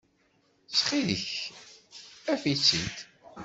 Ttxil-k, af-itt-id.